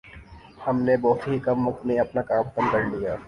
ھم نے بہت ہی کم وقت میں اپنا کام ختم کرلیا